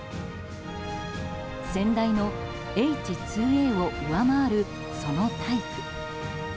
先代のＨ２Ａを上回るその体躯。